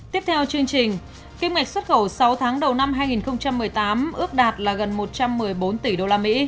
tiếp theo chương trình kim ngạch xuất khẩu sáu tháng đầu năm hai nghìn một mươi tám ước đạt là gần một trăm một mươi bốn tỷ usd